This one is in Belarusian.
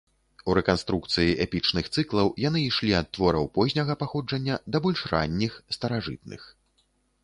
У рэканструкцыі эпічных цыклаў яны ішлі ад твораў позняга паходжання да больш ранніх, старажытных.